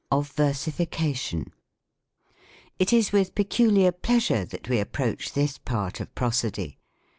OF VBRSIFICATXON. It is with peculiar pleasure that we approach this part of Prosody.